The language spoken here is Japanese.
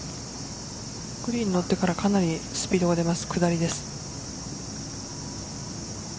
グリーンになってからかなりスピードが出る下りです。